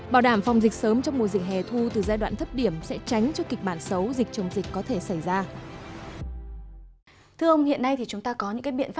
bảo đảm phòng dịch sớm trong mùa dịch hè thu từ giai đoạn thấp điểm sẽ tránh cho kịch bản xấu dịch chống dịch có thể xảy ra